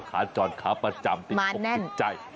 ขาจรขาประจำติดอกติดใจ